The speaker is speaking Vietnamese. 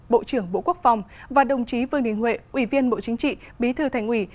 bộ trưởng bộ quốc phòng và đồng chí vương đình huệ ủy viên bộ chính trị bí thư thành ủy